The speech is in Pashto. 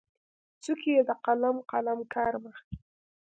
څوکې د قلم، قلم کرمه